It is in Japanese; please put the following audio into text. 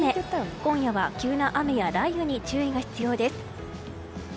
今夜は急な雨や雷雨に注意が必要です。